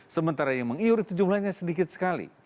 sementara yang mengiur itu jumlahnya sedikit sekali